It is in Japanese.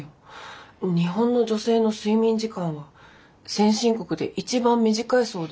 日本の女性の睡眠時間は先進国で一番短いそうで。